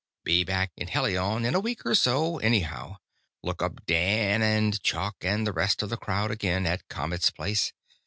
Be back in Helion in a week or so, anyhow. Look up Dan and 'Chuck' and the rest of the crowd again, at Comet's place.